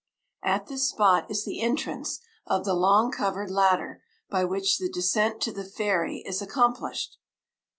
At this spot is the entrance of the long covered ladder by which the descent to the ferry is accomplished.